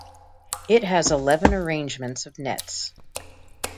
It has eleven arrangements of nets.